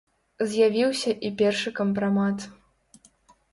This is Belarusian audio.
З'явіўся і першы кампрамат.